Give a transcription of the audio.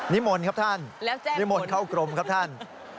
มนต์ครับท่านนิมนต์เข้ากรมครับท่าน